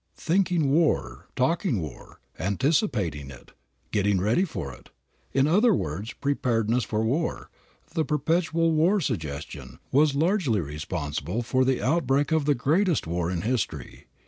Thinking war, talking war, anticipating it, getting ready for it, in other words, preparedness for war, the perpetual war suggestion, was largely responsible for the outbreak of the greatest war in history.